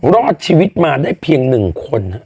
รอดชีวิตมาได้เพียง๑คน